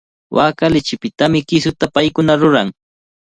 Waaka lichipitami kisuta paykuna ruran.